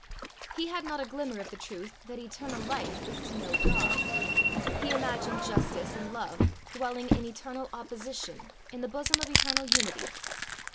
He had not a glimmer of the truth that eternal life is to know God. He imagined justice and love dwelling in eternal opposition in the bosom of eternal unity.